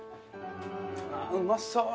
うまそう！